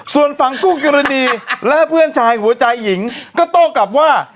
ส่วนฝั่งคู่กรณีและเพื่อนชายหัวใจหญิงก็โต้กลับว่า